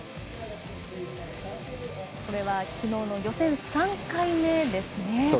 これはきのうの予選３回目ですね。